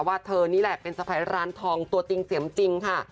เธอนี่แหละเป็นสะพ้ายร้านทองตัวจริงเสียงจริงค่ะ